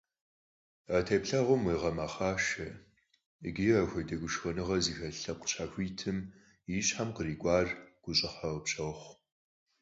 А теплъэгъуэм уегъэмэхъашэ икӀи апхуэдэ гушхуэныгъэ зыхэлъа лъэпкъ щхьэхуитым и щхьэм кърикӀуар гущӀыхьэ къыпщохъу.